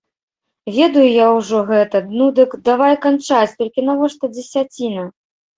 Ведаю я ўжо гэта, ну дык давай канчаць, толькі навошта дзесяціна?